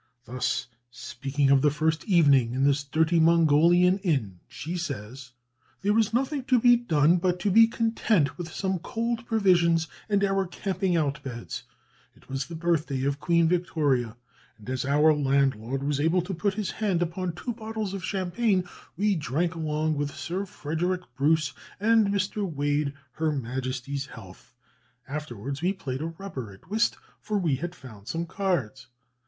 Thus, speaking of the first evening in this dirty Mongolian inn, she says: "There was nothing to be done but to be content with some cold provisions, and our camping out beds. It was the birthday of Queen Victoria, and as our landlord was able to put his hand upon two bottles of champagne, we drank, along with Sir Frederick Bruce and Mr. Wade, her Majesty's health. Afterwards we played a rubber at whist (for we had found some cards).